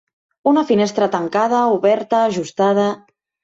Una finestra tancada, oberta, ajustada.